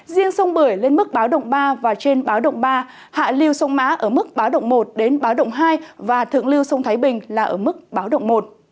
riêng sông bưởi lên mức báo động ba và trên báo động ba hạ lưu sông mã ở mức báo động một đến báo động hai và thượng lưu sông thái bình là ở mức báo động một